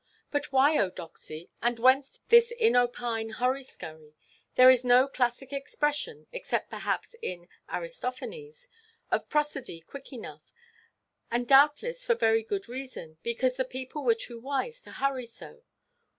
But why, oh Doxy, and whence this inopine hurry–scurry? There is no classic expression—except perhaps in Aristophanes—of prosody quick enough; and, doubtless, for very good reason, because the people were too wise to hurry so.